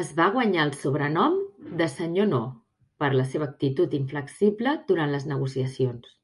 Es va guanyar el sobrenom de "Sr. No" per la seva actitud inflexible durant les negociacions.